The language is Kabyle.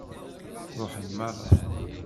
Ṛuḥen meṛṛa.